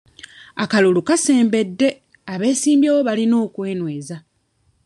Akalulu kasembedde abeesimbyewo balina okwenyweza.